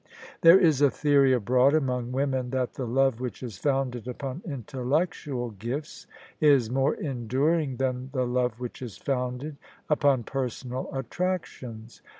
There is a theory abroad among women that the love which is founded upon intellectual gifts is more enduring than the love which is founded upon personal attractions.